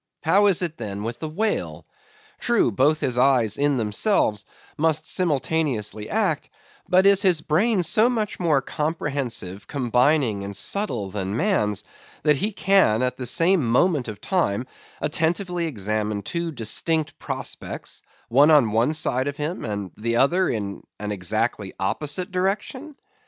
How is it, then, with the whale? True, both his eyes, in themselves, must simultaneously act; but is his brain so much more comprehensive, combining, and subtle than man's, that he can at the same moment of time attentively examine two distinct prospects, one on one side of him, and the other in an exactly opposite direction?